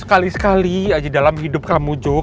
sekali sekali aja dalam hidup kamu joe